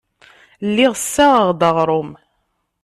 Lliɣ ssaɣeɣ-d aɣrum.